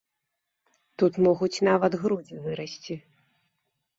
Тут могуць нават грудзі вырасці.